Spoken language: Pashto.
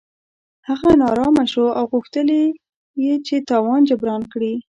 هغه نا ارامه شو او غوښتل یې چې تاوان جبران کړي.